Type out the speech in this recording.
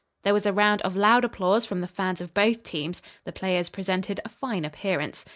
There was a round of loud applause from the fans of both teams. The players presented a fine appearance.